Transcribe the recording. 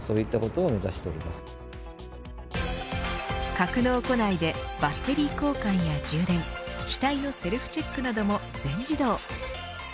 格納庫内でバッテリー交換や充電機体のセルフチェックなども全自動。